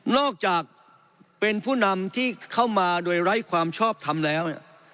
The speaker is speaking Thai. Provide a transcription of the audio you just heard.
อกจากเป็นผู้นำที่เข้ามาโดยไร้ความชอบทำแล้วเนี่ย